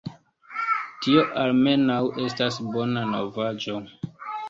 Tio almenaŭ estas bona novaĵo.